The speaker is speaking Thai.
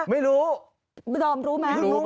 ไม่รู้